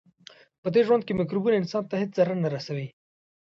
پدې ژوند کې مکروبونه انسان ته هیڅ ضرر نه رسوي.